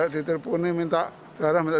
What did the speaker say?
diterpon minta darah